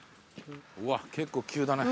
うわ結構急だね。